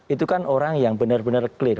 itu kan orang yang benar benar clear